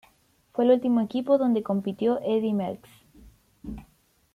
Fue el último equipo donde compitió Eddy Merckx.